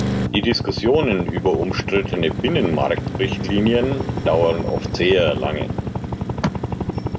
Die Diskussionen über umstrittene Binnenmarkt-Richtlinien dauern oft sehr lange.